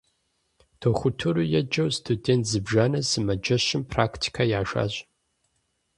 Дохутыру еджэу студент зыбжанэ сымаджэщым практикэ яшащ.